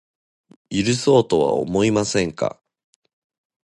許そうとは思いませんか